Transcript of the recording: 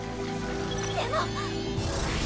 でも！